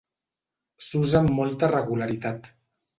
S'usa amb molta regularitat.